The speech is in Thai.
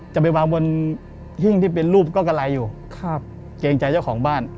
จะไปวางบนหิ้งที่เป็นรูปก็กะไรอยู่ครับเกรงใจเจ้าของบ้าน